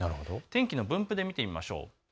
天気の分布で見ていきましょう。